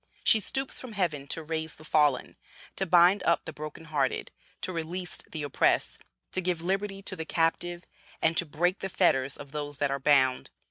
She stoops from heaven to raise the fallen, to bind up the broken hearted, to release the oppressed, to give liberty to the captive, and to break the fetters of those that are bound.